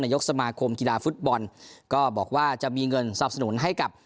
ยกสมาคมกีฬาฟุตบอลก็บอกว่าจะมีเงินสนับสนุนให้กับ